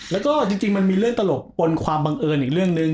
แล้วก็จริงมันมีเรื่องตลกปนความบังเอิญอีกเรื่องหนึ่ง